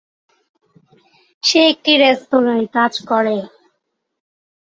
সে একটি রেস্তোরায় কাজ করে।